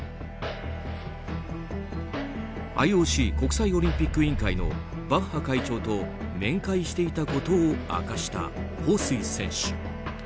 ＩＯＣ・国際オリンピック委員会のバッハ会長と面会していたことを明かしたホウ・スイ選手。